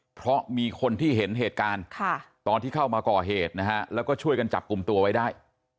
เพราะมีคนที่เห็นเหตุการณ์ตอนที่เข้ามาก่อเหตุนะฮะแล้วก็ช่วยกันจับกลุ่มตัวไว้ได้